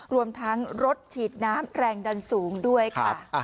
รวมทั้งรถฉีดน้ำแรงดันสูงด้วยค่ะ